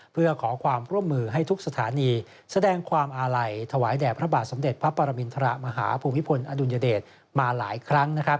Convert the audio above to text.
เพื่อขอความร่วมมือให้ทุกสถานีแสดงความอาลัยถวายแด่พระบาทสมเด็จพระปรมินทรมาฮภูมิพลอดุลยเดชมาหลายครั้ง